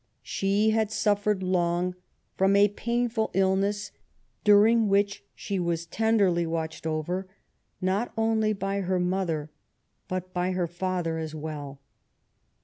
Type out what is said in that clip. She had suf fered long from a painful illness, during which she was tenderly watched over, not only by her mother, but by her father as well.